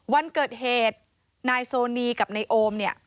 วันเกิดเหตุนายโซนีกับนายโอมเนี่ย